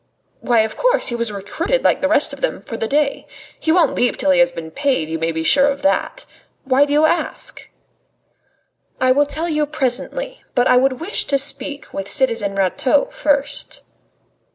"Why, of course! He was recruited, like the rest of them, for the day. He won't leave till he has been paid, you may be sure of that. Why do you ask?" "I will tell you presently. But I would wish to speak with citizen Rateau first."